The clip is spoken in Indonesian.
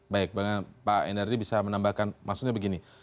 baik pak endardi bisa menambahkan maksudnya begini